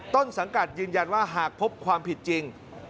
ต้นสังกัดยืนยันว่าหากพบความผิดจริง